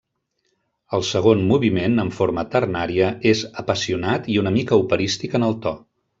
El segon moviment, en forma ternària, és apassionat i una mica operístic en el to.